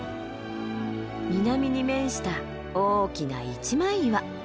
南に面した大きな一枚岩。